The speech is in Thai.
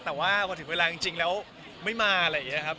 แต่ว่าพอถึงเวลาจริงแล้วไม่มาอะไรอย่างนี้ครับ